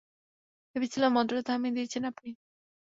ভেবেছিলাম, মন্ত্রটা থামিয়ে দিয়েছেন আপনি।